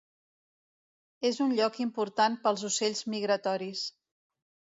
És un lloc important pels ocells migratoris.